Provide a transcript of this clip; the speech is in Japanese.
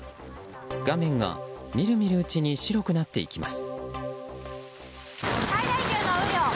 画面が見る見るうちに白くなっていきます。